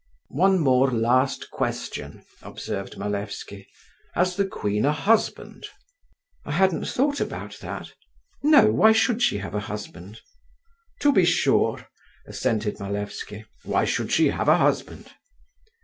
"One more last question," observed Malevsky, "has the queen a husband?" "I hadn't thought about that. No, why should she have a husband?" "To be sure," assented Malevsky, "why should she have a husband?"